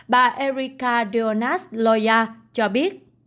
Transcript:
bà erika dionas loya cho biết